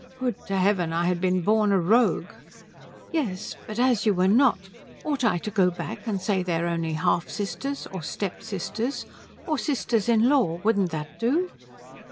Would to heaven I had been born a rogue!" "Yes, but as you were not ought I to go back and say they're only half sisters? Or step sisters? Or sisters in law? Wouldn't that do?"